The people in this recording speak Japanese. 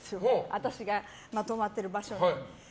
私が泊まってる場所に。